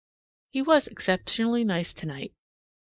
He was exceptionally nice tonight.